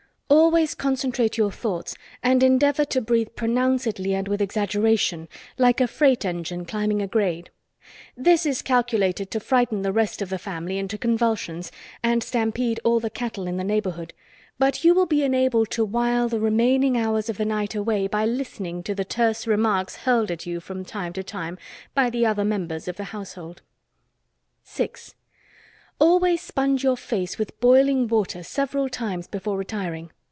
Always concentrate your thoughts and endeavor to breathe pronouncedly and with exaggeration, like a freight engine climbing a grade. This is calculated to frighten the rest of the family into convulsions and stampede all the cattle in the neighborhood, but you will be enabled to while the remaining hours of the night away by listening to the terse remarks hurled at you from time to time by the other members of the household. 6. Always sponge your face with boiling water several times before retiring.